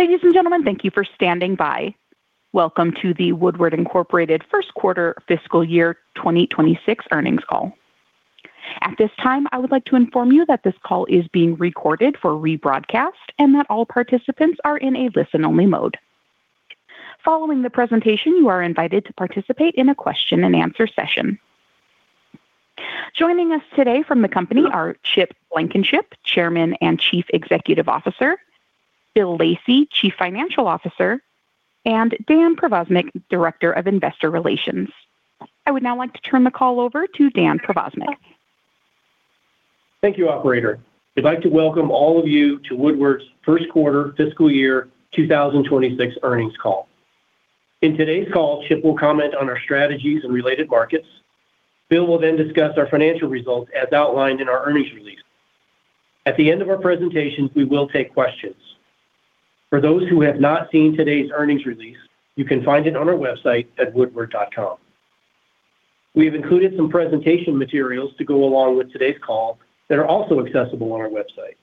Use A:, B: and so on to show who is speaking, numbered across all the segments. A: Ladies and gentlemen, thank you for standing by. Welcome to the Woodward Incorporated first quarter fiscal year 2026 earnings call. At this time, I would like to inform you that this call is being recorded for rebroadcast and that all participants are in a listen-only mode. Following the presentation, you are invited to participate in a question-and-answer session. Joining us today from the company are Chip Blankenship, Chairman and Chief Executive Officer, Bill Lacey, Chief Financial Officer, and Dan Provaznik, Director of Investor Relations. I would now like to turn the call over to Dan Provaznik.
B: Thank you, Operator. I'd like to welcome all of you to Woodward's first quarter fiscal year 2026 earnings call. In today's call, Chip will comment on our strategies and related markets. Bill will then discuss our financial results as outlined in our earnings release. At the end of our presentations, we will take questions. For those who have not seen today's earnings release, you can find it on our website at woodward.com. We have included some presentation materials to go along with today's call that are also accessible on our website.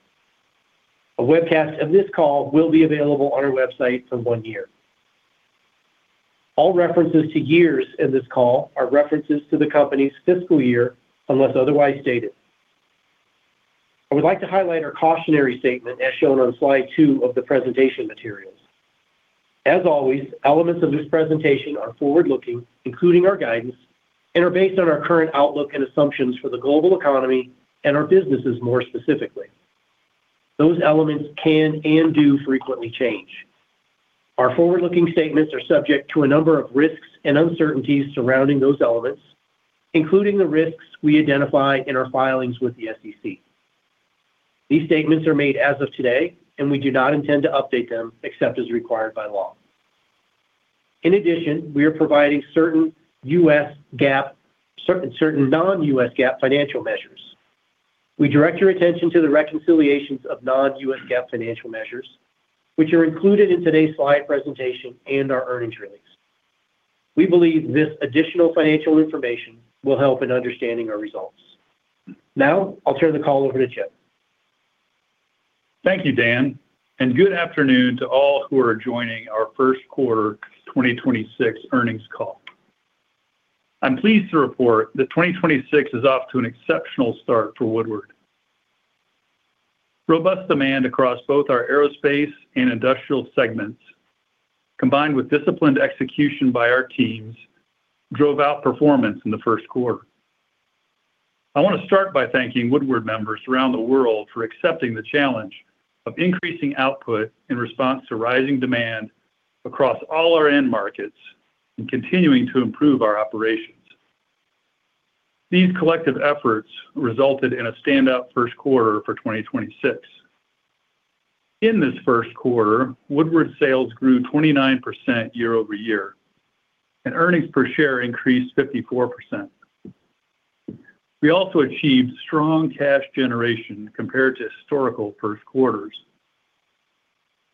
B: A webcast of this call will be available on our website for one year. All references to years in this call are references to the company's fiscal year unless otherwise stated. I would like to highlight our cautionary statement as shown on slide two of the presentation materials. As always, elements of this presentation are forward-looking, including our guidance, and are based on our current outlook and assumptions for the global economy and our businesses more specifically. Those elements can and do frequently change. Our forward-looking statements are subject to a number of risks and uncertainties surrounding those elements, including the risks we identify in our filings with the SEC. These statements are made as of today, and we do not intend to update them except as required by law. In addition, we are providing certain U.S. GAAP and certain non-U.S. GAAP financial measures. We direct your attention to the reconciliations of non-U.S. GAAP financial measures, which are included in today's slide presentation and our earnings release. We believe this additional financial information will help in understanding our results. Now I'll turn the call over to Chip.
C: Thank you, Dan. Good afternoon to all who are joining our first quarter 2026 earnings call. I'm pleased to report that 2026 is off to an exceptional start for Woodward. Robust demand across both our aerospace and industrial segments, combined with disciplined execution by our teams, drove outperformance in the first quarter. I want to start by thanking Woodward members around the world for accepting the challenge of increasing output in response to rising demand across all our end markets and continuing to improve our operations. These collective efforts resulted in a standout first quarter for 2026. In this first quarter, Woodward sales grew 29% year-over-year, and earnings per share increased 54%. We also achieved strong cash generation compared to historical first quarters.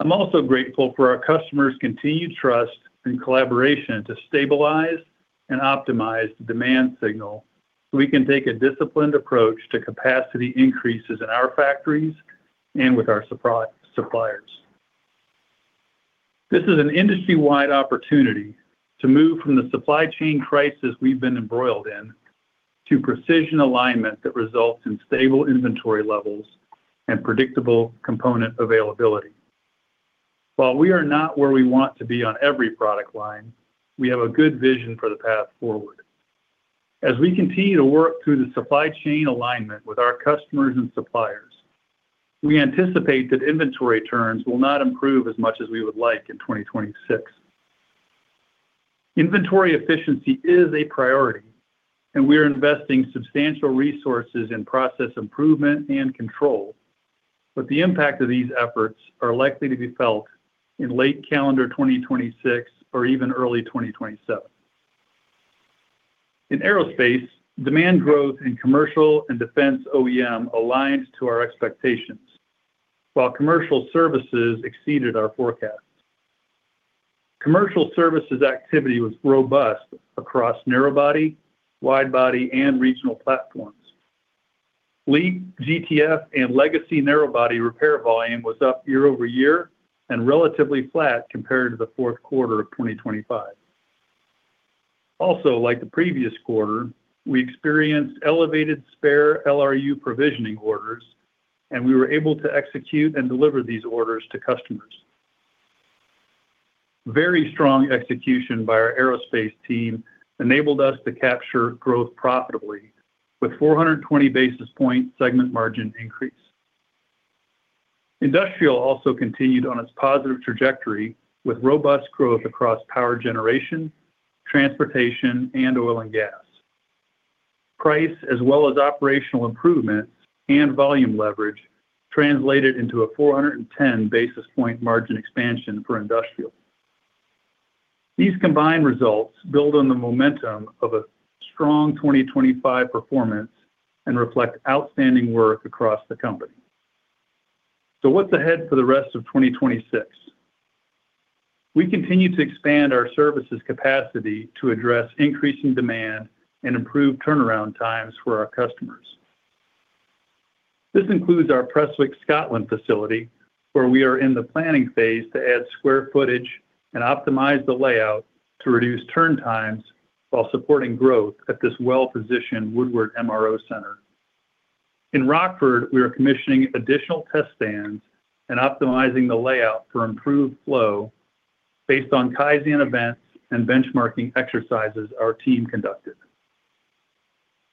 C: I'm also grateful for our customers' continued trust and collaboration to stabilize and optimize the demand signal so we can take a disciplined approach to capacity increases in our factories and with our suppliers. This is an industry-wide opportunity to move from the supply chain crisis we've been embroiled in to precision alignment that results in stable inventory levels and predictable component availability. While we are not where we want to be on every product line, we have a good vision for the path forward. As we continue to work through the supply chain alignment with our customers and suppliers, we anticipate that inventory turns will not improve as much as we would like in 2026. Inventory efficiency is a priority, and we are investing substantial resources in process improvement and control, but the impact of these efforts is likely to be felt in late calendar 2026 or even early 2027. In aerospace, demand growth in commercial and defense OEM aligned to our expectations, while commercial services exceeded our forecasts. Commercial services activity was robust across narrowbody, widebody, and regional platforms. LEAP, GTF, and legacy narrowbody repair volume was up year-over-year and relatively flat compared to the fourth quarter of 2025. Also, like the previous quarter, we experienced elevated spare LRU provisioning orders, and we were able to execute and deliver these orders to customers. Very strong execution by our aerospace team enabled us to capture growth profitably with 420 basis points segment margin increase. Industrial also continued on its positive trajectory with robust growth across power generation, transportation, and oil and gas. Price, as well as operational improvements and volume leverage, translated into a 410 basis points margin expansion for industrial. These combined results build on the momentum of a strong 2025 performance and reflect outstanding work across the company. So, what's ahead for the rest of 2026? We continue to expand our services capacity to address increasing demand and improve turnaround times for our customers. This includes our Prestwick, Scotland facility, where we are in the planning phase to add square footage and optimize the layout to reduce turn times while supporting growth at this well-positioned Woodward MRO Center. In Rockford, we are commissioning additional test stands and optimizing the layout for improved flow based on kaizen events and benchmarking exercises our team conducted.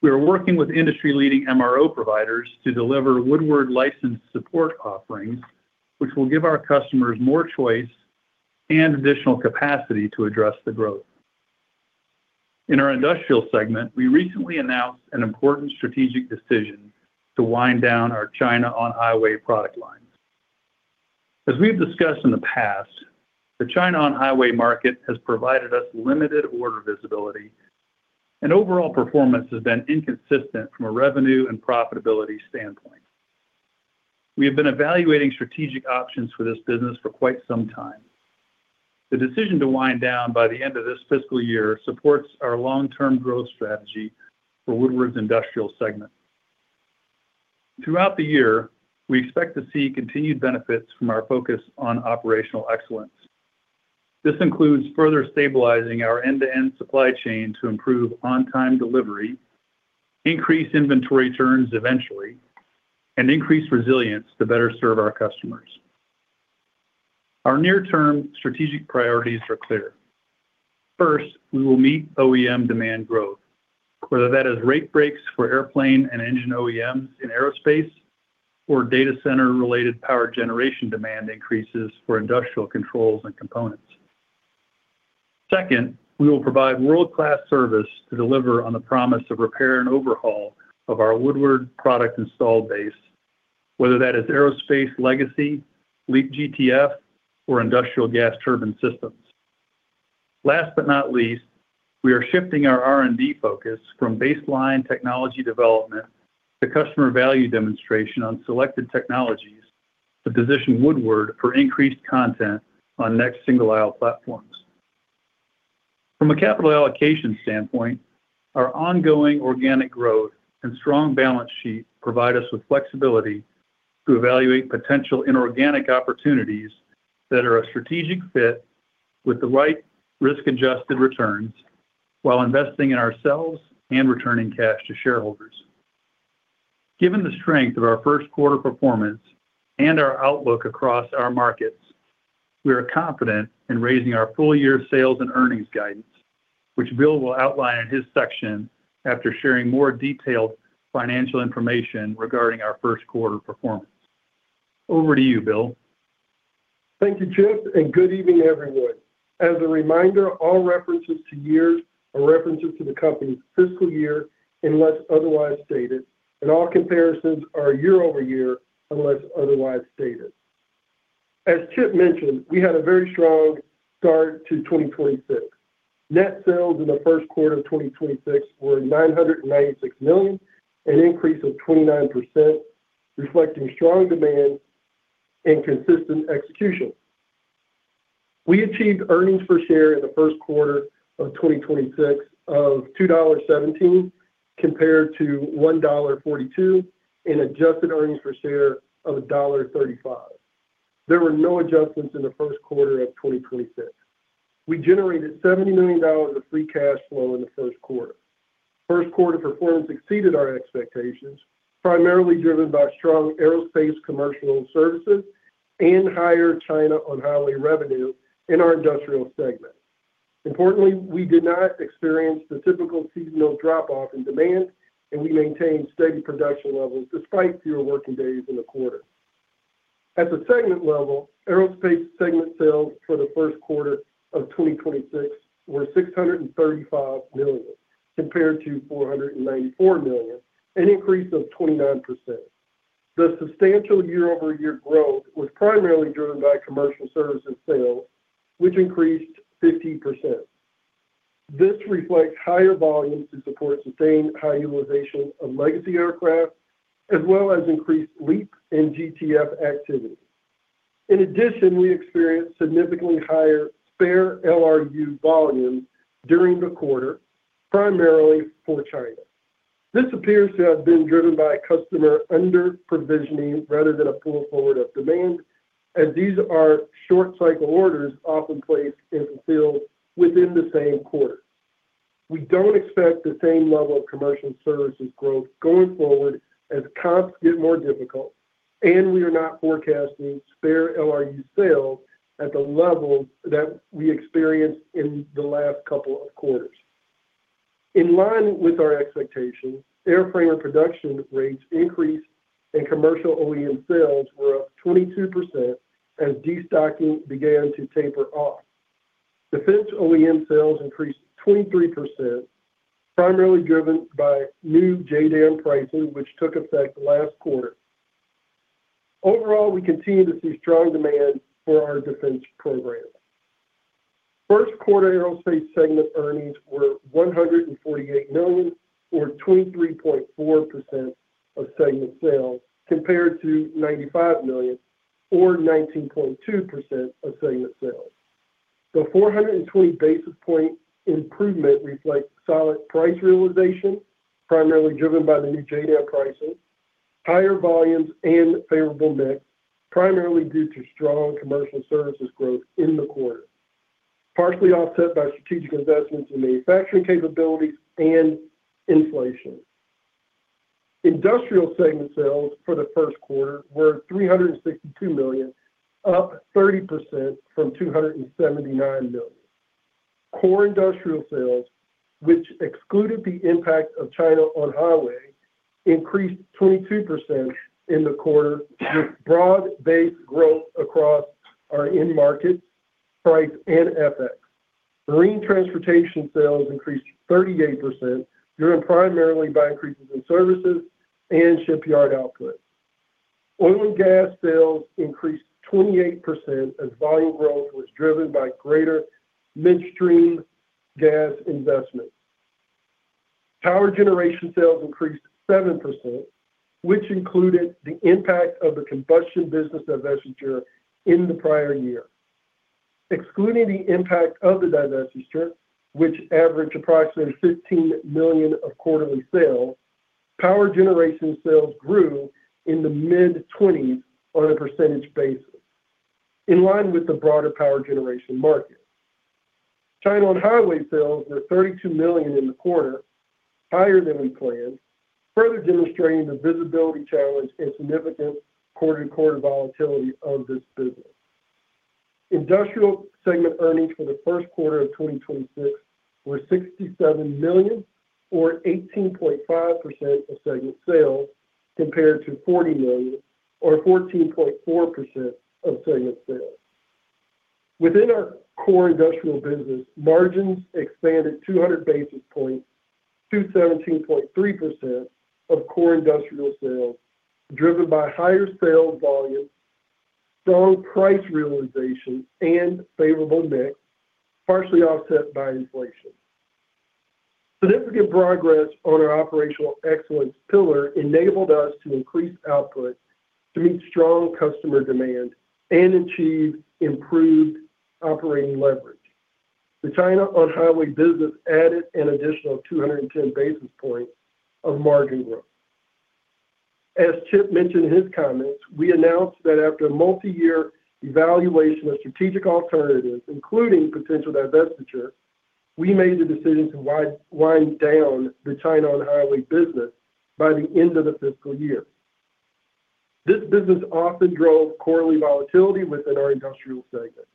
C: We are working with industry-leading MRO providers to deliver Woodward licensed support offerings, which will give our customers more choice and additional capacity to address the growth. In our industrial segment, we recently announced an important strategic decision to wind down our China On-Highway product lines. As we've discussed in the past, the China On-Highway market has provided us limited order visibility, and overall performance has been inconsistent from a revenue and profitability standpoint. We have been evaluating strategic options for this business for quite some time. The decision to wind down by the end of this fiscal year supports our long-term growth strategy for Woodward's industrial segment. Throughout the year, we expect to see continued benefits from our focus on operational excellence. This includes further stabilizing our end-to-end supply chain to improve on-time delivery, increase inventory turns eventually, and increase resilience to better serve our customers. Our near-term strategic priorities are clear. First, we will meet OEM demand growth, whether that is rate breaks for airplane and engine OEMs in aerospace or data center-related power generation demand increases for industrial controls and components. Second, we will provide world-class service to deliver on the promise of repair and overhaul of our Woodward product install base, whether that is aerospace legacy, LEAP, GTF or industrial gas turbine systems. Last but not least, we are shifting our R&D focus from baseline technology development to customer value demonstration on selected technologies to position Woodward for increased content on next single aisle platforms. From a capital allocation standpoint, our ongoing organic growth and strong balance sheet provide us with flexibility to evaluate potential inorganic opportunities that are a strategic fit with the right risk-adjusted returns while investing in ourselves and returning cash to shareholders. Given the strength of our first quarter performance and our outlook across our markets, we are confident in raising our full-year sales and earnings guidance, which Bill will outline in his section after sharing more detailed financial information regarding our first quarter performance. Over to you, Bill.
D: Thank you, Chip, and good evening, everyone. As a reminder, all references to years are references to the company's fiscal year unless otherwise stated, and all comparisons are year-over-year unless otherwise stated. As Chip mentioned, we had a very strong start to 2026. Net sales in the first quarter of 2026 were $996 million, an increase of 29%, reflecting strong demand and consistent execution. We achieved earnings per share in the first quarter of 2026 of $2.17 compared to $1.42 and adjusted earnings per share of $1.35. There were no adjustments in the first quarter of 2026. We generated $70 million of free cash flow in the first quarter. First quarter performance exceeded our expectations, primarily driven by strong aerospace commercial services and higher China On-Highway revenue in our industrial segment. Importantly, we did not experience the typical seasonal drop-off in demand, and we maintained steady production levels despite fewer working days in the quarter. At the segment level, Aerospace segment sales for the first quarter of 2026 were $635 million compared to $494 million, an increase of 29%. The substantial year-over-year growth was primarily driven by commercial services sales, which increased 50%. This reflects higher volumes to support sustained high utilization of legacy aircraft as well as increased LEAP and GTF activity. In addition, we experienced significantly higher spare LRU volumes during the quarter, primarily for China. This appears to have been driven by customer under-provisioning rather than a pull forward of demand, as these are short-cycle orders often placed and fulfilled within the same quarter. We don't expect the same level of commercial services growth going forward as comps get more difficult, and we are not forecasting spare LRU sales at the level that we experienced in the last couple of quarters. In line with our expectations, airframe and production rates increased, and commercial OEM sales were up 22% as destocking began to taper off. Defense OEM sales increased 23%, primarily driven by new JDAM pricing, which took effect last quarter. Overall, we continue to see strong demand for our defense program. First quarter aerospace segment earnings were $148 million, or 23.4% of segment sales, compared to $95 million, or 19.2% of segment sales. The 420 basis point improvement reflects solid price realization, primarily driven by the new JDAM pricing, higher volumes, and favorable mix, primarily due to strong commercial services growth in the quarter, partially offset by strategic investments in manufacturing capabilities and inflation. Industrial segment sales for the first quarter were $362 million, up 30% from $279 million. Core industrial sales, which excluded the impact of China On-Highway, increased 22% in the quarter with broad-based growth across our end markets, price, and FX. Marine transportation sales increased 38%, driven primarily by increases in services and shipyard output. Oil and gas sales increased 28% as volume growth was driven by greater midstream gas investments. Power generation sales increased 7%, which included the impact of the combustion business divestiture in the prior year. Excluding the impact of the divestiture, which averaged approximately $15 million of quarterly sales, power generation sales grew in the mid-20s% on a percentage basis, in line with the broader power generation market. China On-Highway sales were $32 million in the quarter, higher than we planned, further demonstrating the visibility challenge and significant quarter-to-quarter volatility of this business. Industrial segment earnings for the first quarter of 2026 were $67 million, or 18.5% of segment sales, compared to $40 million, or 14.4% of segment sales. Within our core industrial business, margins expanded 200 basis points to 17.3% of core industrial sales, driven by higher sales volumes, strong price realization, and favorable mix, partially offset by inflation. Significant progress on our operational excellence pillar enabled us to increase output to meet strong customer demand and achieve improved operating leverage. The China On-Highway business added an additional 210 basis points of margin growth. As Chip mentioned in his comments, we announced that after a multi-year evaluation of strategic alternatives, including potential divestiture, we made the decision to wind down the China On-Highway business by the end of the fiscal year. This business often drove quarterly volatility within our industrial segment.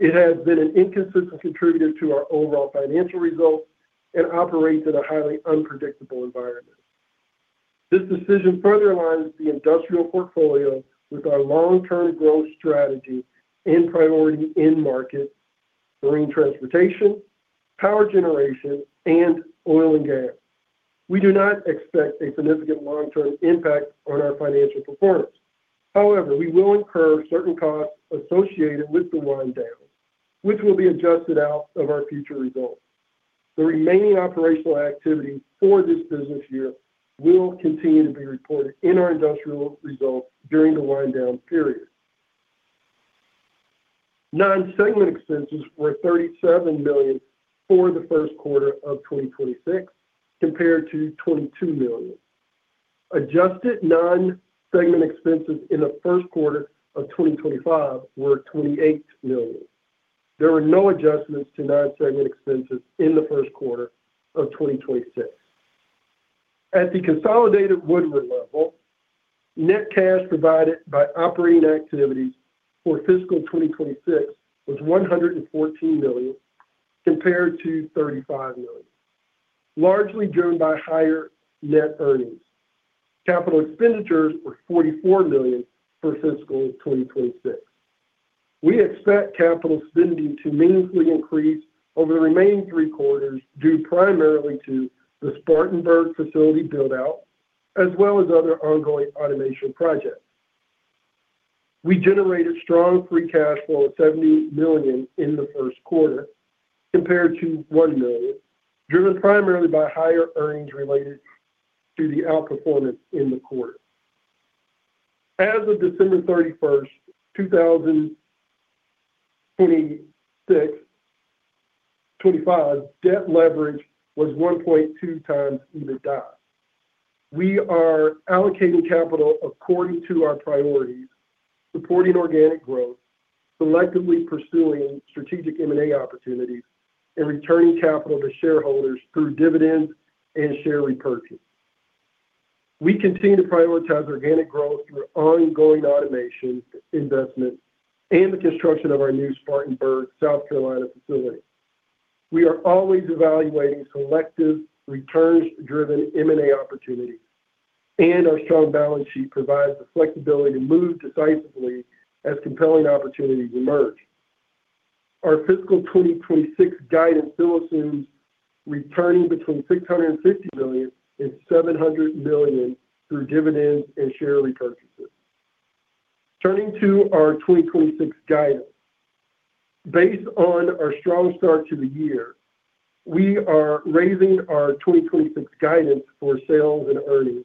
D: It has been an inconsistent contributor to our overall financial results and operates in a highly unpredictable environment. This decision further aligns the industrial portfolio with our long-term growth strategy and priority in markets: marine transportation, power generation, and oil and gas. We do not expect a significant long-term impact on our financial performance. However, we will incur certain costs associated with the winddowns, which will be adjusted out of our future results. The remaining operational activity for this business year will continue to be reported in our industrial results during the winddown period. Non-segment expenses were $37 million for the first quarter of 2026, compared to $22 million. Adjusted non-segment expenses in the first quarter of 2025 were $28 million. There were no adjustments to non-segment expenses in the first quarter of 2026. At the consolidated Woodward level, net cash provided by operating activities for fiscal 2026 was $114 million, compared to $35 million, largely driven by higher net earnings. Capital expenditures were $44 million for fiscal 2026. We expect capital spending to meaningfully increase over the remaining three quarters due primarily to the Spartanburg facility buildout as well as other ongoing automation projects. We generated strong free cash flow of $70 million in the first quarter, compared to $1 million, driven primarily by higher earnings related to the outperformance in the quarter. As of December 31st, 2025, debt leverage was 1.2 times EBITDA. We are allocating capital according to our priorities, supporting organic growth, selectively pursuing strategic M&A opportunities, and returning capital to shareholders through dividends and share repurchase. We continue to prioritize organic growth through ongoing automation investments and the construction of our new Spartanburg, South Carolina facility. We are always evaluating selective returns-driven M&A opportunities, and our strong balance sheet provides the flexibility to move decisively as compelling opportunities emerge. Our fiscal 2026 guidance still assumes returning between $650 million and $700 million through dividends and share repurchases. Turning to our 2026 guidance. Based on our strong start to the year, we are raising our 2026 guidance for sales and earnings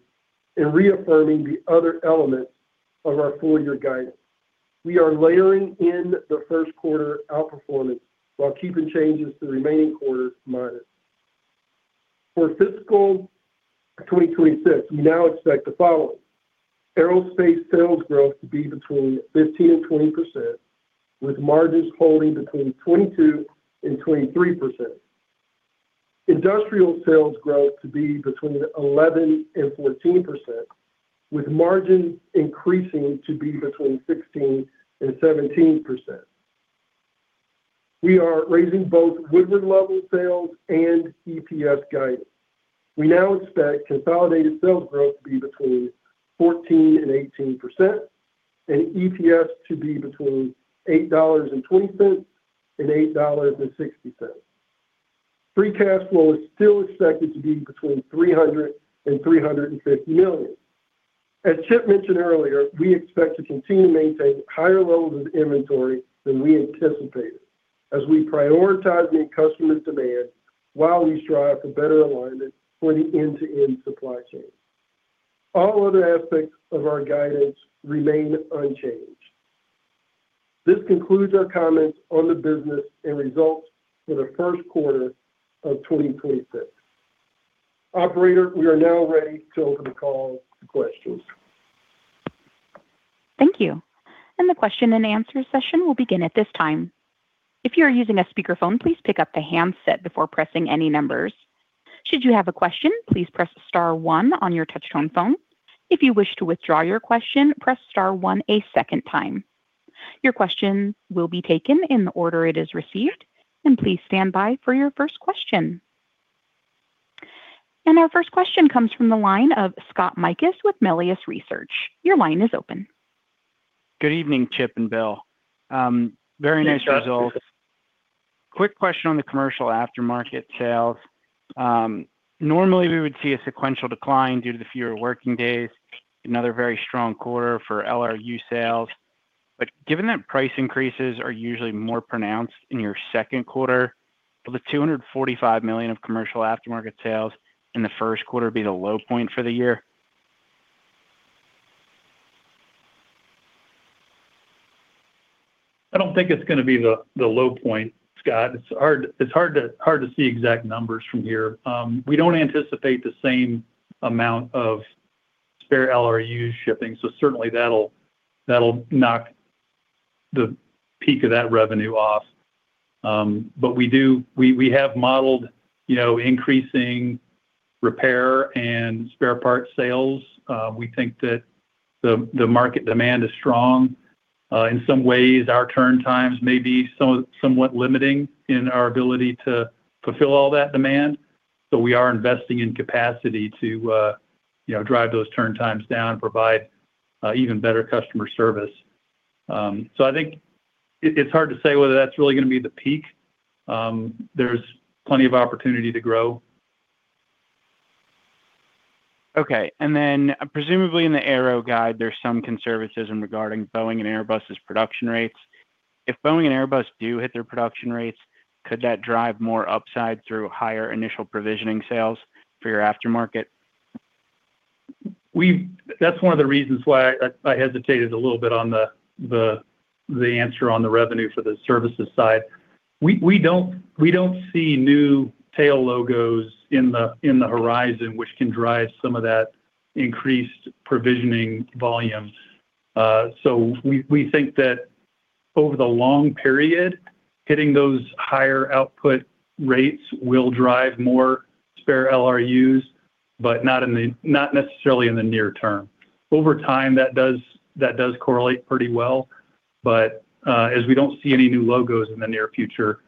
D: and reaffirming the other elements of our full-year guidance. We are layering in the first quarter outperformance while keeping changes to the remaining quarters minus. For fiscal 2026, we now expect the following: aerospace sales growth to be between 15%-20%, with margins holding between 22%-23%. Industrial sales growth to be between 11%-14%, with margins increasing to be between 16%-17%. We are raising both Woodward-level sales and EPS guidance. We now expect consolidated sales growth to be between 14%-18%, and EPS to be between $8.20-$8.60. Free cash flow is still expected to be between $300 million-$350 million. As Chip mentioned earlier, we expect to continue to maintain higher levels of inventory than we anticipated as we prioritize meeting customer demand while we strive for better alignment for the end-to-end supply chain. All other aspects of our guidance remain unchanged. This concludes our comments on the business and results for the first quarter of 2026. Operator, we are now ready to open the call to questions.
A: Thank you. The question-and-answer session will begin at this time. If you are using a speakerphone, please pick up the handset before pressing any numbers. Should you have a question, please press star one on your touch-tone phone. If you wish to withdraw your question, press star one a second time. Your question will be taken in the order it is received, and please stand by for your first question. Our first question comes from the line of Scott Mikus with Melius Research. Your line is open.
E: Good evening, Chip and Bill. Very nice results. Quick question on the commercial aftermarket sales. Normally, we would see a sequential decline due to the fewer working days, another very strong quarter for LRU sales. But given that price increases are usually more pronounced in your second quarter, will the $245 million of commercial aftermarket sales in the first quarter be the low point for the year?
C: I don't think it's going to be the low point, Scott. It's hard to see exact numbers from here. We don't anticipate the same amount of spare LRUs shipping, so certainly that'll knock the peak of that revenue off. But we have modeled increasing repair and spare part sales. We think that the market demand is strong. In some ways, our turn times may be somewhat limiting in our ability to fulfill all that demand. So we are investing in capacity to drive those turn times down and provide even better customer service. So I think it's hard to say whether that's really going to be the peak. There's plenty of opportunity to grow.
E: Okay. And then presumably in the aero guide, there's some conservatism regarding Boeing and Airbus's production rates. If Boeing and Airbus do hit their production rates, could that drive more upside through higher initial provisioning sales for your aftermarket?
C: That's one of the reasons why I hesitated a little bit on the answer on the revenue for the services side. We don't see new tail logos in the horizon, which can drive some of that increased provisioning volume. So we think that over the long period, hitting those higher output rates will drive more spare LRUs, but not necessarily in the near term. Over time, that does correlate pretty well. But as we don't see any new logos in the near future,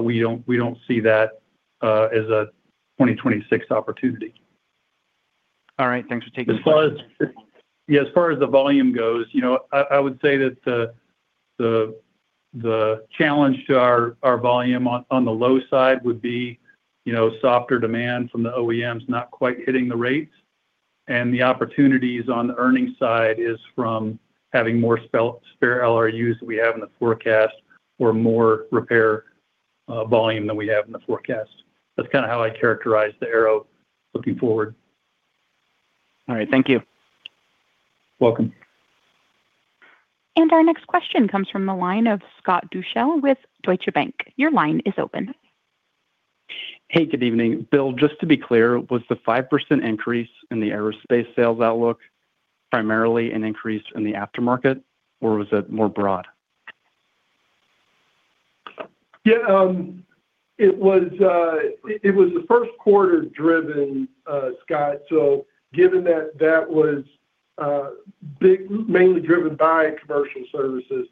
C: we don't see that as a 2026 opportunity.
E: All right. Thanks for taking the time.
C: Yeah, as far as the volume goes, I would say that the challenge to our volume on the low side would be softer demand from the OEMs not quite hitting the rates. The opportunities on the earnings side is from having more spare LRUs than we have in the forecast or more repair volume than we have in the forecast. That's kind of how I characterize the aero looking forward.
E: All right. Thank you.
C: Welcome.
A: Our next question comes from the line of Scott Deuschle with Deutsche Bank. Your line is open.
F: Hey, good evening. Bill, just to be clear, was the 5% increase in the aerospace sales outlook primarily an increase in the aftermarket, or was it more broad?
D: Yeah. It was the first quarter driven, Scott. Given that that was mainly driven by commercial services,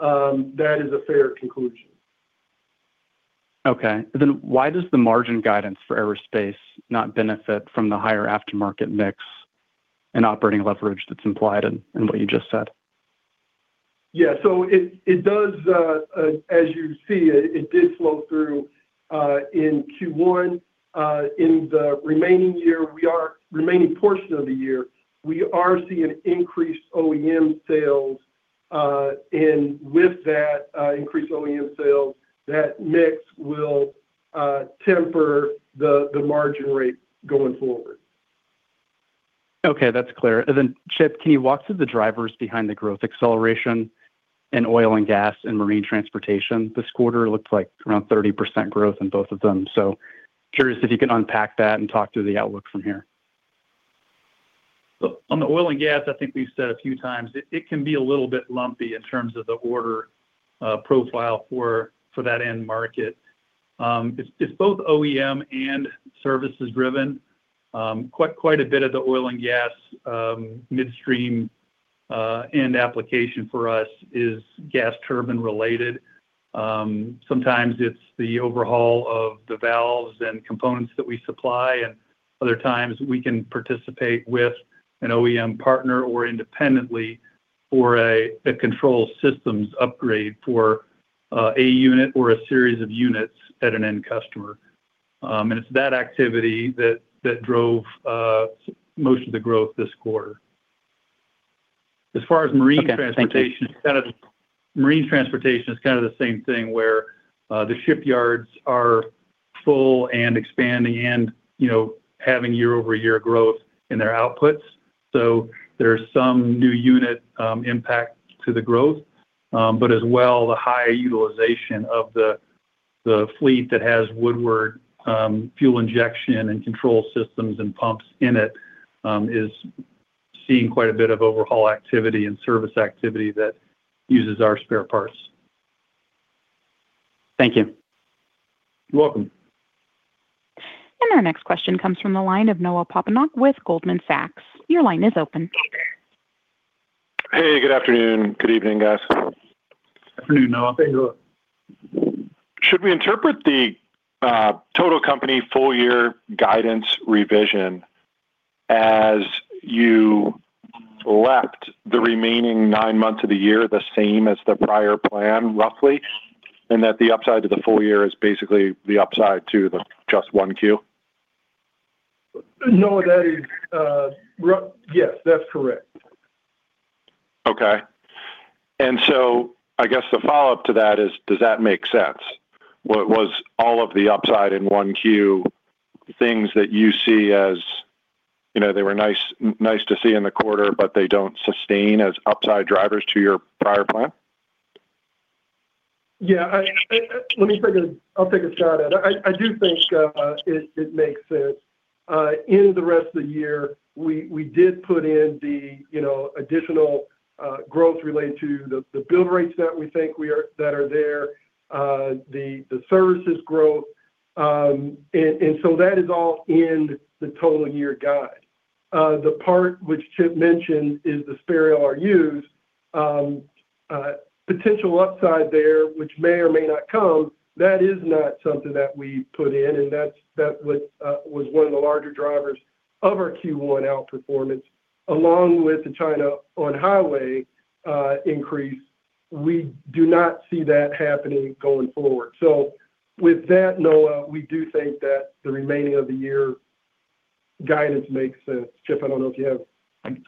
D: that is a fair conclusion.
F: Okay. Then why does the margin guidance for aerospace not benefit from the higher aftermarket mix and operating leverage that's implied in what you just said?
D: Yeah. So, as you see, it did flow through in Q1. In the remaining year, remaining portion of the year, we are seeing increased OEM sales. With that increased OEM sales, that mix will temper the margin rate going forward.
F: Okay. That's clear. And then, Chip, can you walk through the drivers behind the growth acceleration in oil and gas and marine transportation? This quarter looked like around 30% growth in both of them. So curious if you can unpack that and talk through the outlook from here.
C: On the oil and gas, I think we've said a few times, it can be a little bit lumpy in terms of the order profile for that end market. It's both OEM and services-driven. Quite a bit of the oil and gas midstream end application for us is gas turbine-related. Sometimes it's the overhaul of the valves and components that we supply. And other times, we can participate with an OEM partner or independently for a control systems upgrade for a unit or a series of units at an end customer. And it's that activity that drove most of the growth this quarter. As far as marine transportation, it's kind of the marine transportation is kind of the same thing where the shipyards are full and expanding and having year-over-year growth in their outputs. So, there's some new unit impact to the growth. But as well, the high utilization of the fleet that has Woodward fuel injection and control systems and pumps in it is seeing quite a bit of overhaul activity and service activity that uses our spare parts.
F: Thank you.
C: You're welcome.
A: Our next question comes from the line of Noah Poponak with Goldman Sachs. Your line is open.
G: Hey. Good afternoon. Good evening, guys.
C: Good afternoon, Noah.
G: Should we interpret the total company full-year guidance revision as you left the remaining nine months of the year the same as the prior plan, roughly, and that the upside to the full year is basically the upside to the just 1Q?
C: No, yes, that's correct.
G: Okay. And so I guess the follow-up to that is, does that make sense? Was all of the upside in one Q things that you see as they were nice to see in the quarter, but they don't sustain as upside drivers to your prior plan?
D: Yeah. Let me take a shot at it. I do think it makes sense. In the rest of the year, we did put in the additional growth related to the build rates that we think are there, the services growth. And so that is all in the total year guide. The part which Chip mentioned is the spare LRUs, potential upside there, which may or may not come, that is not something that we put in. And that was one of the larger drivers of our Q1 outperformance. Along with the China On-Highway increase, we do not see that happening going forward. So, with that, Noah, we do think that the remaining of the year guidance makes sense. Chip, I don't know if you have.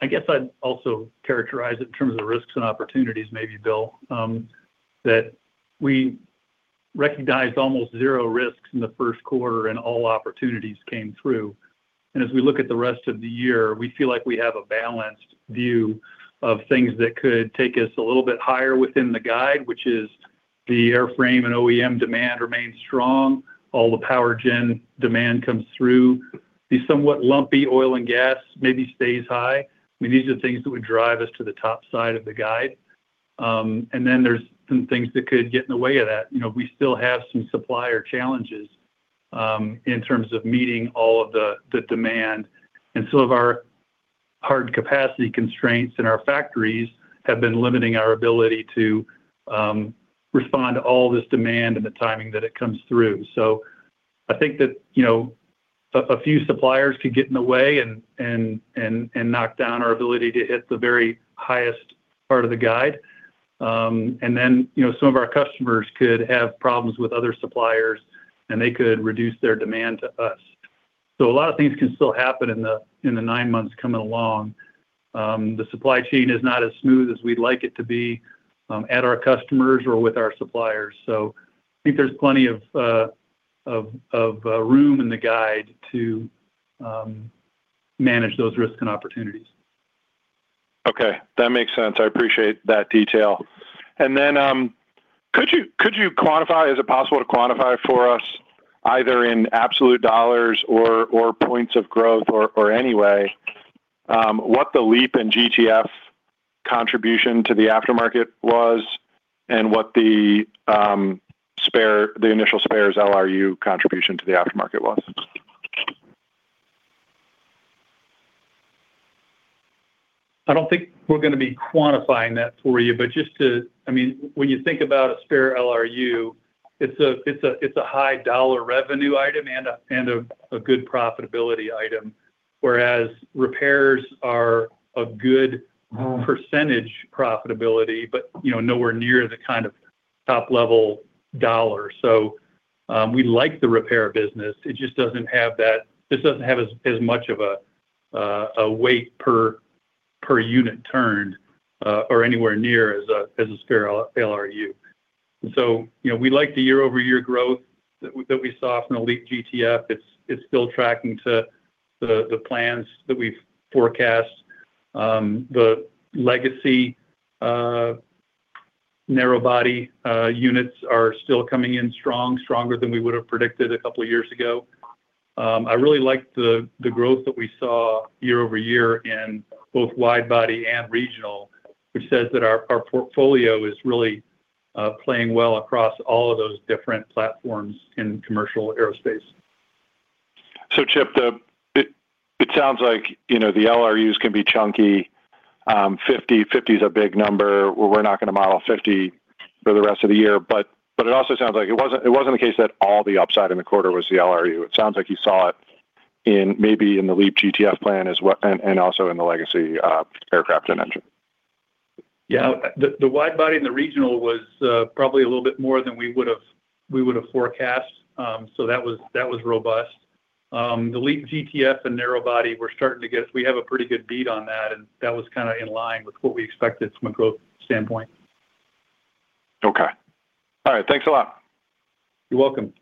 C: I guess I'd also characterize it in terms of risks and opportunities, maybe, Bill, that we recognized almost zero risks in the first quarter and all opportunities came through. As we look at the rest of the year, we feel like we have a balanced view of things that could take us a little bit higher within the guide, which is the airframe and OEM demand remains strong. All the power gen demand comes through. The somewhat lumpy oil and gas maybe stays high. I mean, these are the things that would drive us to the top side of the guide. Then there's some things that could get in the way of that. We still have some supplier challenges in terms of meeting all of the demand. Some of our hard capacity constraints in our factories have been limiting our ability to respond to all this demand and the timing that it comes through. So, I think that a few suppliers could get in the way and knock down our ability to hit the very highest part of the guide. And then some of our customers could have problems with other suppliers, and they could reduce their demand to us. So, a lot of things can still happen in the nine months coming along. The supply chain is not as smooth as we'd like it to be at our customers or with our suppliers. So, I think there's plenty of room in the guide to manage those risks and opportunities.
G: Okay. That makes sense. I appreciate that detail. And then could you quantify? Is it possible to quantify for us, either in absolute U.S. dollars or points of growth or anyway, what the LEAP and GTF contribution to the aftermarket was and what the initial spares LRU contribution to the aftermarket was?
C: I don't think we're going to be quantifying that for you. But I mean, when you think about a spare LRU, it's a high-dollar revenue item and a good profitability item, whereas repairs are a good percentage profitability but nowhere near the kind of top-level dollar. So, we like the repair business. It just doesn't have that. This doesn't have as much of a weight per unit turned or anywhere near as a spare LRU. And so, we like the year-over-year growth that we saw from the LEAP GTF. It's still tracking to the plans that we've forecast. The legacy narrow-body units are still coming in strong, stronger than we would have predicted a couple of years ago. I really like the growth that we saw year over year in both wide-body and regional, which says that our portfolio is really playing well across all of those different platforms in commercial aerospace.
G: So, Chip, it sounds like the LRUs can be chunky. 50 is a big number. We're not going to model 50 for the rest of the year. But it also sounds like it wasn't the case that all the upside in the quarter was the LRU. It sounds like you saw it maybe in the LEAP GTF plan and also in the legacy aircraft and engine.
C: Yeah. The wide-body and the regional was probably a little bit more than we would have forecast. So that was robust. The LEAP GTF and narrow-body, we're starting to get we have a pretty good beat on that. And that was kind of in line with what we expected from a growth standpoint.
G: Okay. All right. Thanks a lot.
C: You're welcome.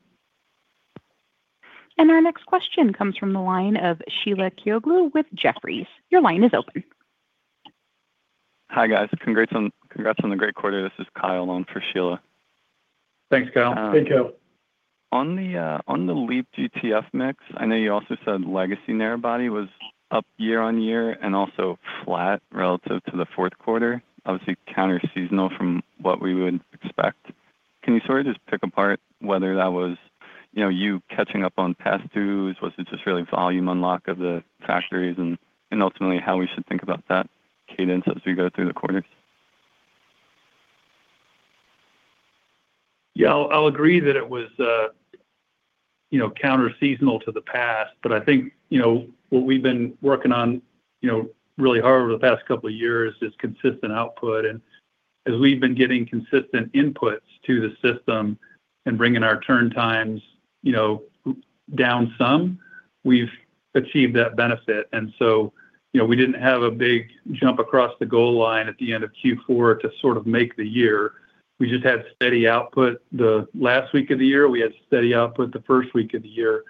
A: Our next question comes from the line of Sheila Kahyaoglu with Jefferies. Your line is open.
H: Hi, guys. Congrats on the great quarter. This is Kyle on for Sheila.
C: Thanks, Kyle.
D: Hey, Kyle.
H: On the LEAP GTF mix, I know you also said legacy narrow-body was up year-over-year and also flat relative to the fourth quarter, obviously counterseasonal from what we would expect. Can you sort of just pick apart whether that was you catching up on past dues? Was it just really volume unlock of the factories and ultimately how we should think about that cadence as we go through the quarters?
C: Yeah. I'll agree that it was counterseasonal to the past. But I think what we've been working on really hard over the past couple of years is consistent output. And as we've been getting consistent inputs to the system and bringing our turn times down some, we've achieved that benefit. And so, we didn't have a big jump across the goal line at the end of Q4 to sort of make the year. We just had steady output the last week of the year. We had steady output the first week of the year.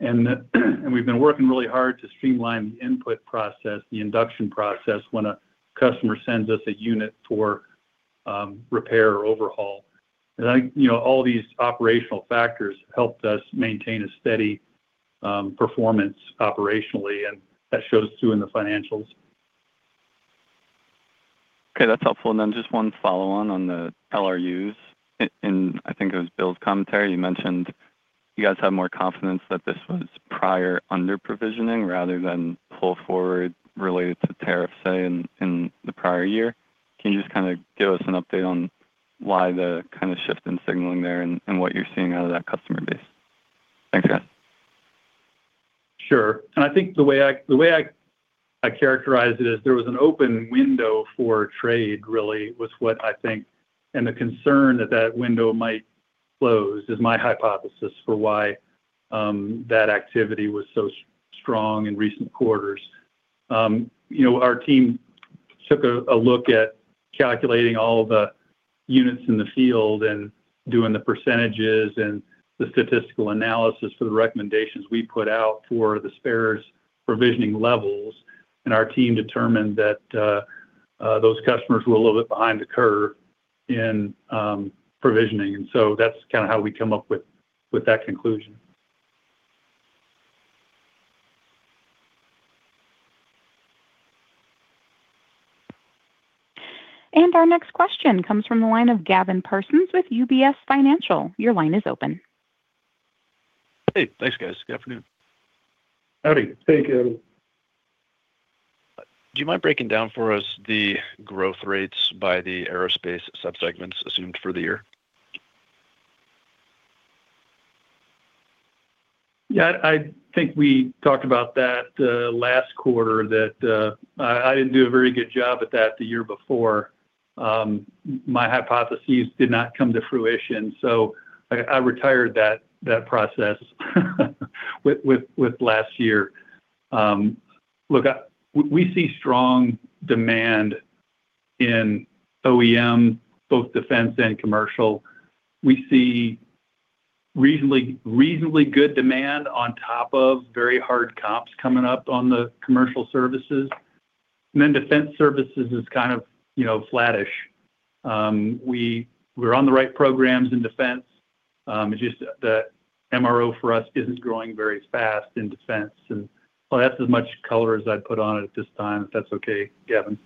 C: And we've been working really hard to streamline the input process, the induction process, when a customer sends us a unit for repair or overhaul. And all these operational factors helped us maintain a steady performance operationally. And that shows through in the financials.
H: Okay. That's helpful. And then just one follow-on on the LRUs. And I think it was Bill's commentary. You mentioned you guys have more confidence that this was prior under-provisioning rather than pull forward related to tariff, say, in the prior year. Can you just kind of give us an update on why the kind of shift in signaling there and what you're seeing out of that customer base? Thanks, guys.
C: Sure. I think the way I characterize it is there was an open window for trade, really, was what I think and the concern that that window might close is my hypothesis for why that activity was so strong in recent quarters. Our team took a look at calculating all the units in the field and doing the percentages and the statistical analysis for the recommendations we put out for the spares provisioning levels. Our team determined that those customers were a little bit behind the curve in provisioning. So that's kind of how we come up with that conclusion.
A: Our next question comes from the line of Gavin Parsons with UBS Financial Services. Your line is open.
I: Hey. Thanks, guys. Good afternoon.
D: Howdy. Hey, Gavin.
I: Do you mind breaking down for us the growth rates by the aerospace subsegments assumed for the year?
C: Yeah. I think we talked about that last quarter that I didn't do a very good job at that the year before. My hypotheses did not come to fruition. So I retired that process with last year. Look, we see strong demand in OEM, both defense and commercial. We see reasonably good demand on top of very hard comps coming up on the commercial services. And then defense services is kind of flattish. We're on the right programs in defense. It's just that MRO for us isn't growing very fast in defense. And well, that's as much color as I'd put on it at this time, if that's okay, Gavin.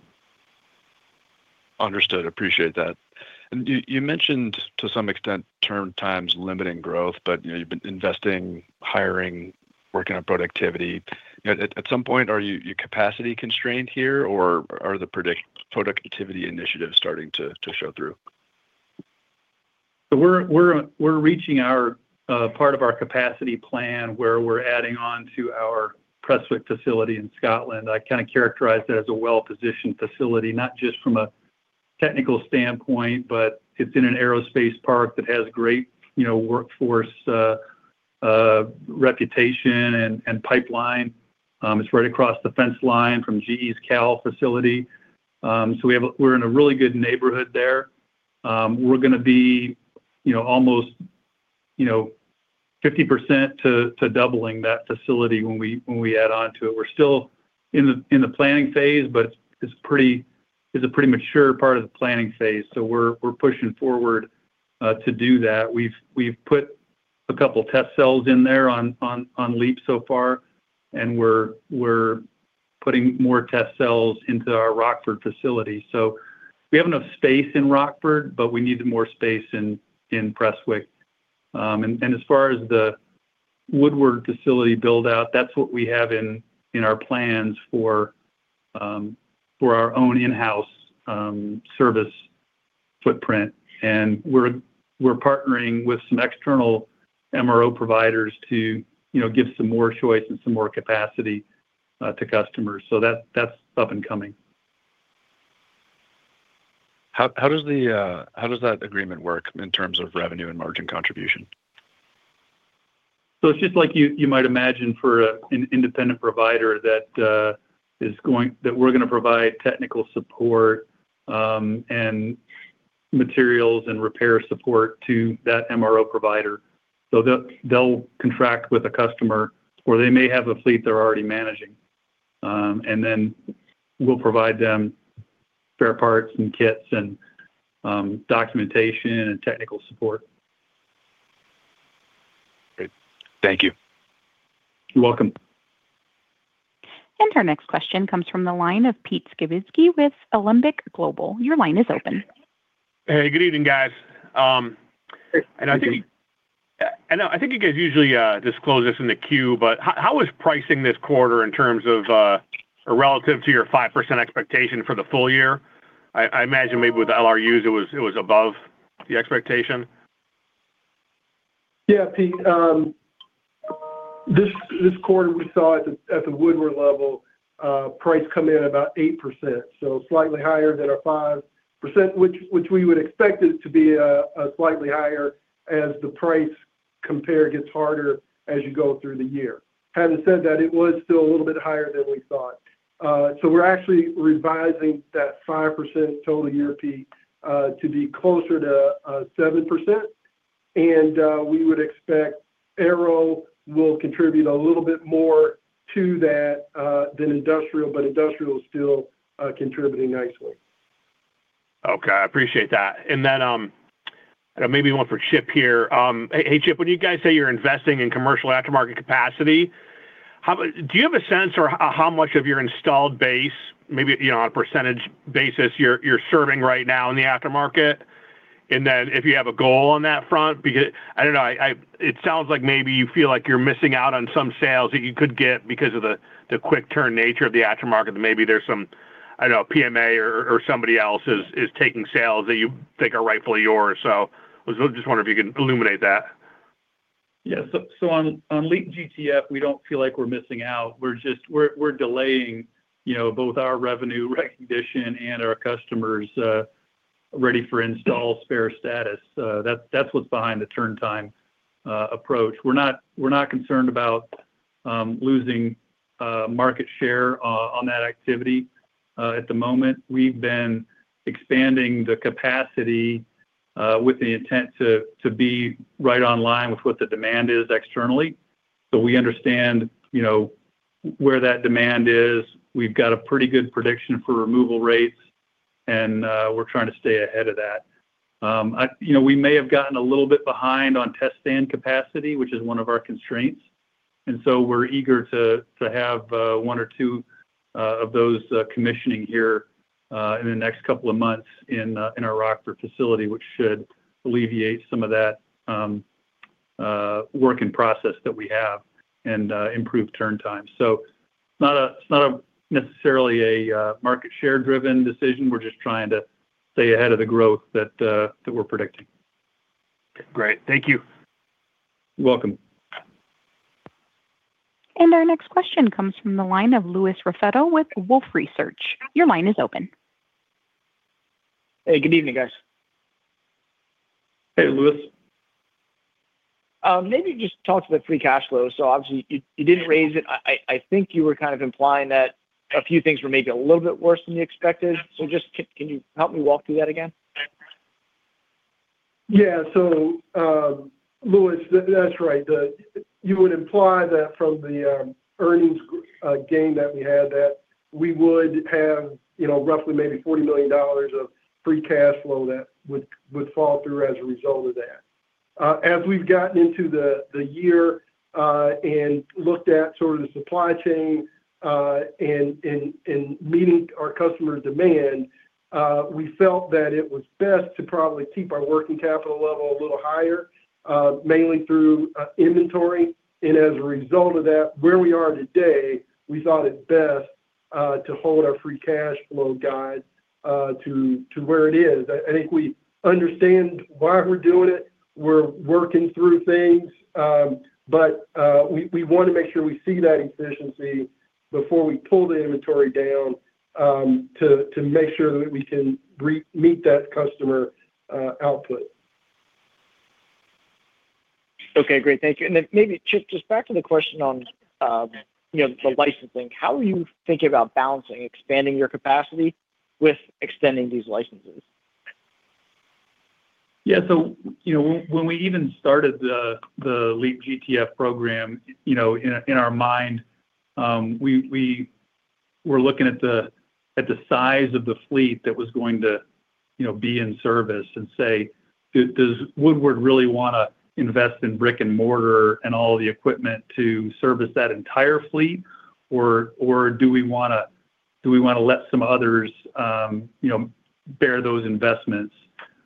I: Understood. Appreciate that. And you mentioned to some extent turn times limiting growth, but you've been investing, hiring, working on productivity. At some point, are you capacity constrained here, or are the productivity initiatives starting to show through?
C: So, we're reaching part of our capacity plan where we're adding on to our Prestwick facility in Scotland. I kind of characterize it as a well-positioned facility, not just from a technical standpoint, but it's in an aerospace park that has great workforce reputation and pipeline. It's right across the fence line from GE's Cal facility. So, we're in a really good neighborhood there. We're going to be almost 50% to doubling that facility when we add on to it. We're still in the planning phase, but it's a pretty mature part of the planning phase. So, we're pushing forward to do that. We've put a couple of test cells in there on LEAP so far. We're putting more test cells into our Rockford facility. So, we have enough space in Rockford, but we needed more space in Prestwick. As far as the Woodward facility buildout, that's what we have in our plans for our own in-house service footprint. We're partnering with some external MRO providers to give some more choice and some more capacity to customers. That's up and coming.
I: How does that agreement work in terms of revenue and margin contribution?
C: So it's just like you might imagine for an independent provider that we're going to provide technical support and materials and repair support to that MRO provider. So they'll contract with a customer, or they may have a fleet they're already managing. And then we'll provide them spare parts and kits and documentation and technical support.
G: Great. Thank you.
C: You're welcome.
A: Our next question comes from the line of Peter Skibitski with Alembic Global Advisors. Your line is open.
J: Hey. Good evening, guys. And I think you guys usually disclose this in the queue, but how was pricing this quarter in terms of or relative to your 5% expectation for the full year? I imagine maybe with the LRUs, it was above the expectation.
D: Yeah, Pete. This quarter, we saw at the Woodward level, price come in about 8%, so slightly higher than our 5%, which we would expect it to be a slightly higher as the price compare gets harder as you go through the year. Having said that, it was still a little bit higher than we thought. So, we're actually revising that 5% total year, Pete, to be closer to 7%. And we would expect aero will contribute a little bit more to that than industrial, but industrial is still contributing nicely.
J: Okay. I appreciate that. And then maybe one for Chip here. Hey, Chip, when you guys say you're investing in commercial aftermarket capacity, do you have a sense of how much of your installed base, maybe on a percentage basis, you're serving right now in the aftermarket? And then if you have a goal on that front because I don't know. It sounds like maybe you feel like you're missing out on some sales that you could get because of the quick-turn nature of the aftermarket, that maybe there's some, I don't know, PMA or somebody else is taking sales that you think are rightfully yours. So I was just wondering if you could illuminate that.
C: Yeah. So, on LEAP GTF, we don't feel like we're missing out. We're delaying both our revenue recognition and our customers' ready-for-install spare status. That's what's behind the turn time approach. We're not concerned about losing market share on that activity at the moment. We've been expanding the capacity with the intent to be right on line with what the demand is externally. So, we understand where that demand is. We've got a pretty good prediction for removal rates. And we're trying to stay ahead of that. We may have gotten a little bit behind on test stand capacity, which is one of our constraints. And so, we're eager to have one or two of those commissioning here in the next couple of months in our Rockford facility, which should alleviate some of that work in process that we have and improve turn time. So it's not necessarily a market-share-driven decision. We're just trying to stay ahead of the growth that we're predicting.
J: Great. Thank you.
C: You're welcome.
A: Our next question comes from the line of Louis Raffetto with Wolfe Research. Your line is open.
K: Hey. Good evening, guys.
J: Hey, Louis.
K: Maybe just talk to the Free Cash Flow. Obviously, you didn't raise it. I think you were kind of implying that a few things were maybe a little bit worse than you expected. Just, can you help me walk through that again?
D: Yeah. So, Louis, that's right. You would imply that from the earnings gain that we had, that we would have roughly maybe $40 million of free cash flow that would fall through as a result of that. As we've gotten into the year and looked at sort of the supply chain and meeting our customer demand, we felt that it was best to probably keep our working capital level a little higher, mainly through inventory. And as a result of that, where we are today, we thought it best to hold our free cash flow guide to where it is. I think we understand why we're doing it. We're working through things. But we want to make sure we see that efficiency before we pull the inventory down to make sure that we can meet that customer output.
K: Okay. Great. Thank you. And then maybe just back to the question on the licensing, how are you thinking about balancing, expanding your capacity with extending these licenses?
C: Yeah. So when we even started the LEAP GTF program, in our mind, we were looking at the size of the fleet that was going to be in service and say, "Does Woodward really want to invest in brick and mortar and all the equipment to service that entire fleet, or do we want to let some others bear those investments?"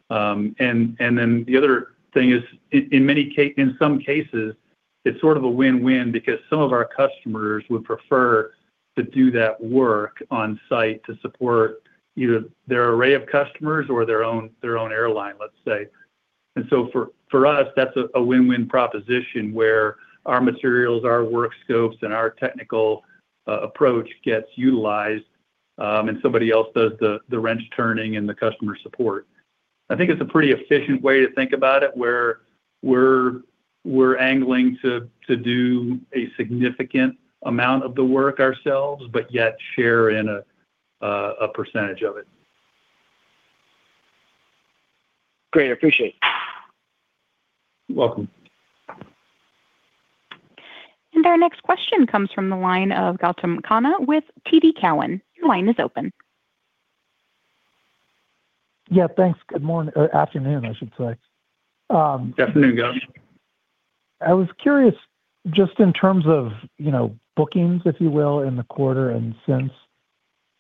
C: And then the other thing is, in some cases, it's sort of a win-win because some of our customers would prefer to do that work on-site to support either their array of customers or their own airline, let's say. And so for us, that's a win-win proposition where our materials, our work scopes, and our technical approach gets utilized, and somebody else does the wrench turning and the customer support. I think it's a pretty efficient way to think about it where we're angling to do a significant amount of the work ourselves, but yet share in a percentage of it.
K: Great. Appreciate it.
C: Welcome.
A: Our next question comes from the line of Gautam Khanna with TD Cowen. Your line is open.
L: Yeah. Thanks. Good afternoon, I should say.
J: Good afternoon, Gautam.
L: I was curious, just in terms of bookings, if you will, in the quarter and since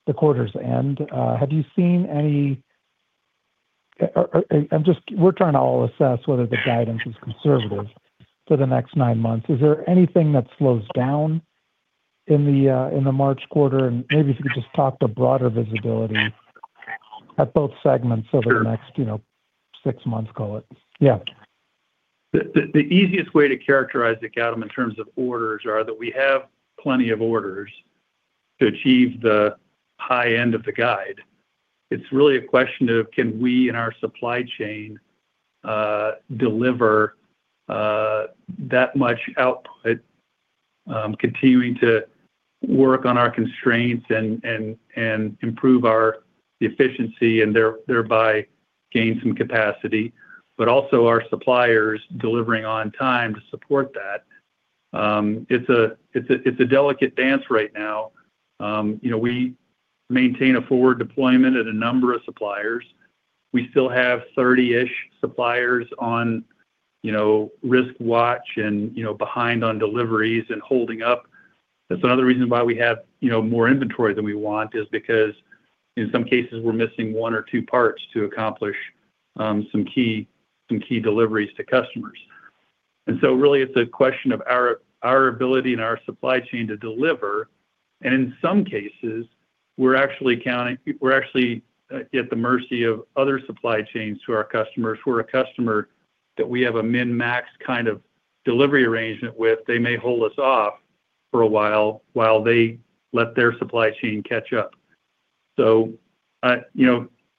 L: the quarter's end. Have you seen any? We're trying to all assess whether the guidance is conservative for the next nine months. Is there anything that slows down in the March quarter? And maybe if you could just talk to broader visibility at both segments over the next six months, call it. Yeah.
C: The easiest way to characterize it, Gautam, in terms of orders are that we have plenty of orders to achieve the high end of the guide. It's really a question of, can we in our supply chain deliver that much output, continuing to work on our constraints and improve the efficiency and thereby gain some capacity, but also our suppliers delivering on time to support that? It's a delicate dance right now. We maintain a forward deployment at a number of suppliers. We still have 30-ish suppliers on risk watch and behind on deliveries and holding up. That's another reason why we have more inventory than we want is because, in some cases, we're missing one or two parts to accomplish some key deliveries to customers. And so really, it's a question of our ability and our supply chain to deliver. In some cases, we're actually at the mercy of other supply chains to our customers where a customer that we have a min-max kind of delivery arrangement with, they may hold us off for a while while they let their supply chain catch up.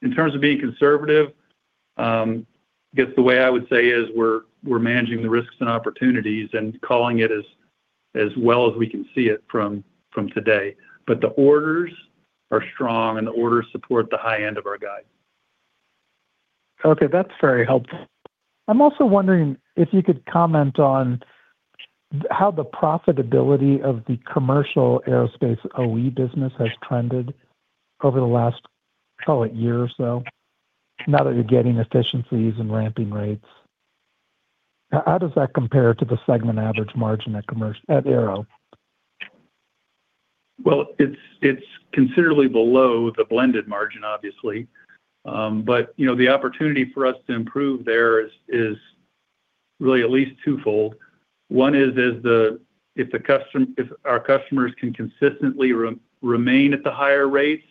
C: In terms of being conservative, I guess the way I would say is we're managing the risks and opportunities and calling it as well as we can see it from today. The orders are strong, and the orders support the high end of our guide.
L: Okay. That's very helpful. I'm also wondering if you could comment on how the profitability of the commercial aerospace OE business has trended over the last, call it, year or so, now that you're getting efficiencies and ramping rates. How does that compare to the segment average margin at aero?
C: Well, it's considerably below the blended margin, obviously. But the opportunity for us to improve there is really at least twofold. One is if our customers can consistently remain at the higher rates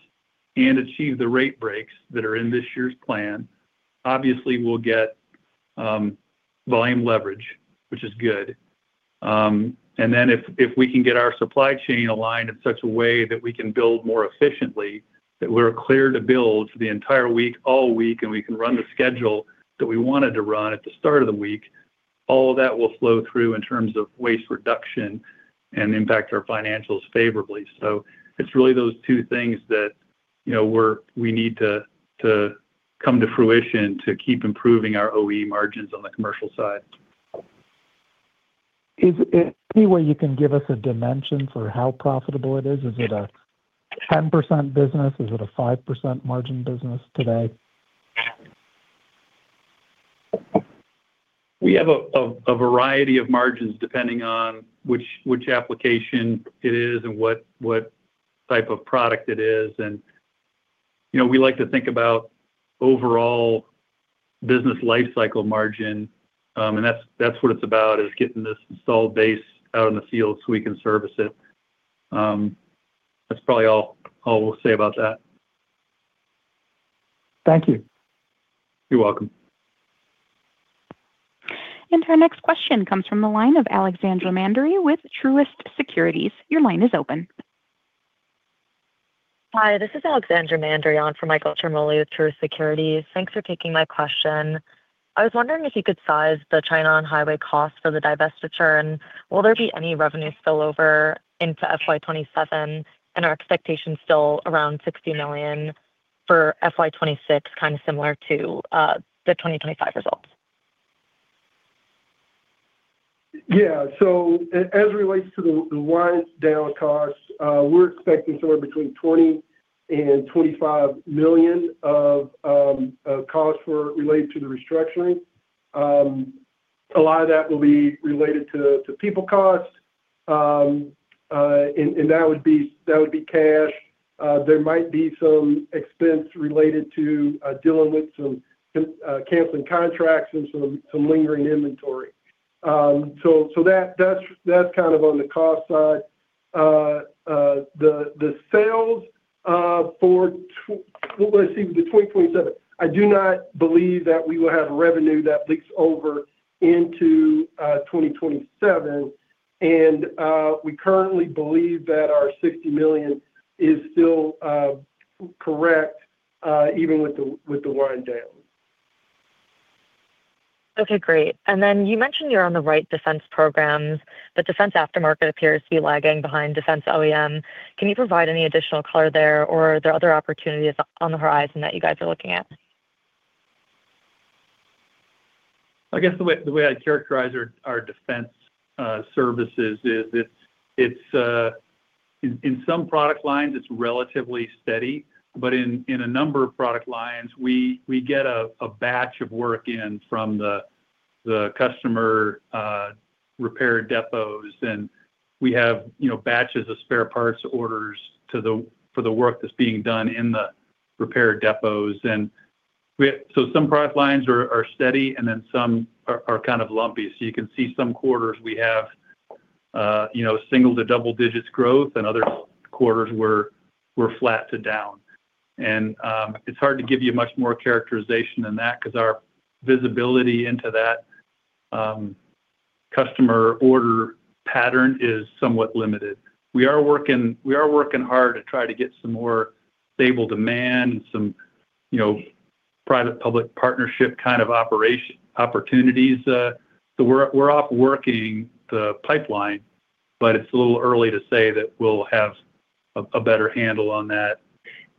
C: and achieve the rate breaks that are in this year's plan, obviously, we'll get volume leverage, which is good. And then if we can get our supply chain aligned in such a way that we can build more efficiently, that we're clear to build for the entire week, all week, and we can run the schedule that we wanted to run at the start of the week, all of that will flow through in terms of waste reduction and impact our financials favorably. So it's really those two things that we need to come to fruition to keep improving our OEM margins on the commercial side.
L: Is there any way you can give us a dimension for how profitable it is? Is it a 10% business? Is it a 5% margin business today?
C: We have a variety of margins depending on which application it is and what type of product it is. We like to think about overall business lifecycle margin. That's what it's about, is getting this installed base out in the field so we can service it. That's probably all I'll say about that.
L: Thank you.
C: You're welcome.
A: Our next question comes from the line of Alexandra Mandery with Truist Securities. Your line is open.
M: Hi. This is Alexandra Mandery on behalf of Michael Ciarmoli with Truist Securities. Thanks for taking my question. I was wondering if you could seize the China On-Highway cost for the divestiture, and will there be any revenue spillover into FY 2027, and are expectations still around $60 million for FY 2026, kind of similar to the 2025 results?
D: Yeah. So, as it relates to the wind-down costs, we're expecting somewhere between $20 million-$25 million of costs related to the restructuring. A lot of that will be related to people cost, and that would be cash. There might be some expense related to dealing with some canceling contracts and some lingering inventory. So that's kind of on the cost side. The sales for let's see, the 2027. I do not believe that we will have revenue that leaks over into 2027. And we currently believe that our $60 million is still correct even with the wind-down.
M: Okay. Great. And then you mentioned you're on the right defense programs, but defense aftermarket appears to be lagging behind defense OEM. Can you provide any additional color there, or are there other opportunities on the horizon that you guys are looking at?
C: I guess the way I'd characterize our defense services is in some product lines, it's relatively steady. In a number of product lines, we get a batch of work in from the customer repair depots, and we have batches of spare parts orders for the work that's being done in the repair depots. Some product lines are steady, and then some are kind of lumpy. You can see some quarters we have single-digit to double-digit growth, and other quarters were flat to down. It's hard to give you much more characterization than that because our visibility into that customer order pattern is somewhat limited. We are working hard to try to get some more stable demand and some private-public partnership kind of opportunities. We're off working the pipeline, but it's a little early to say that we'll have a better handle on that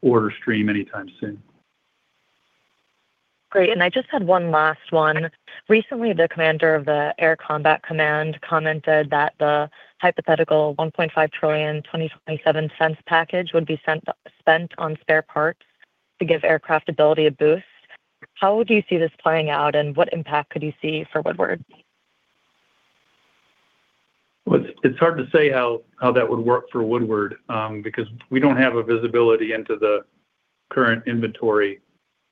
C: order stream anytime soon.
M: Great. And I just had one last one. Recently, the commander of the Air Combat Command commented that the hypothetical $1.5 trillion 2027 defense package would be spent on spare parts to give aircraft availability a boost. How do you see this playing out, and what impact could you see for Woodward?
C: Well, it's hard to say how that would work for Woodward because we don't have a visibility into the current inventory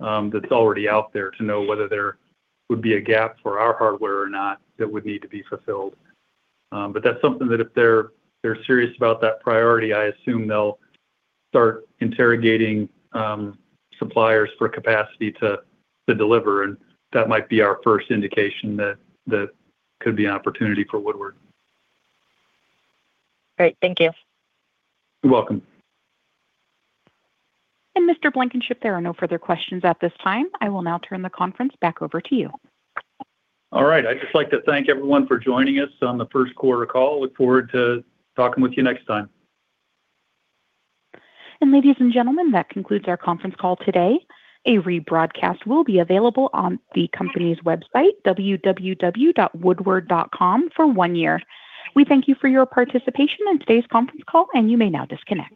C: that's already out there to know whether there would be a gap for our hardware or not that would need to be fulfilled. But that's something that if they're serious about that priority, I assume they'll start interrogating suppliers for capacity to deliver. That might be our first indication that could be an opportunity for Woodward.
M: Great. Thank you.
C: You're welcome.
A: Mr. Blankenship, there are no further questions at this time. I will now turn the conference back over to you.
C: All right. I'd just like to thank everyone for joining us on the first quarter call. Look forward to talking with you next time.
A: Ladies and gentlemen, that concludes our conference call today. A rebroadcast will be available on the company's website, www.woodward.com, for one year. We thank you for your participation in today's conference call, and you may now disconnect.